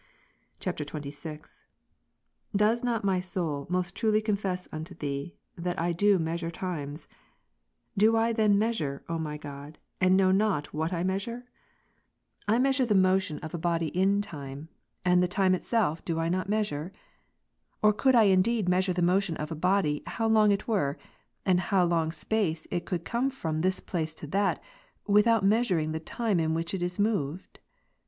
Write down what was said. [XXVI.] 33. Does not my soul most truly confess unto Thee, that I do measure times ? Do I then measure, O my God, and know not what I measure ? I measure the motion! Time the protraction of something ; but of lohat f' 243 j of a body in time ; and the time itself do I not measure ? Or could I indeed measure the motion of a body how long it were, and in how long space it could come from this place to that, without measuring the time in which it is moved